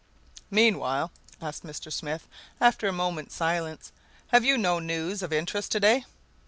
"Meanwhile," asked Mr. Smith, after a moment's silence, "have you no news of interest to day?"